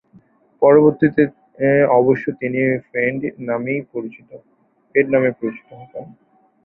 পরবর্তীতে অবশ্য তিনি ফ্রেড নামেই পরিচিতি পান।